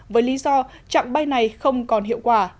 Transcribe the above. với lý do chặng bay này không còn hiệu quả